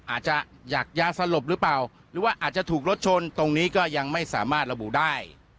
อาจจะอยากยาสลบหรือเปล่าหรือว่าอาจจะถูกรถชนตรงนี้ก็ยังไม่สามารถระบุได้